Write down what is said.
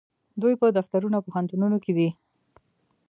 دوی په دفترونو او پوهنتونونو کې دي.